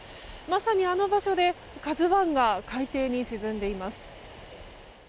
まさにあの場所で「ＫＡＺＵ１」が海底に沈んでいます。